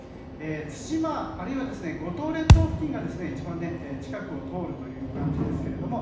対馬、あるいは五島列島付近が一番近くを通るという感じですけれども。